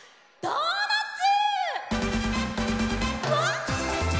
「ドーナッツ！」